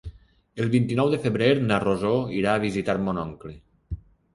El vint-i-nou de febrer na Rosó irà a visitar mon oncle.